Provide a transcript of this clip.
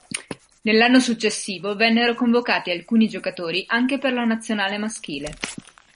Nell'anno successivo vennero convocati alcuni giocatori anche per la Nazionale maschile.